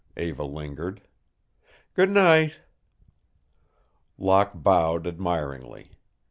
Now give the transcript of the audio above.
Eva lingered. "Good night." Locke bowed admiringly.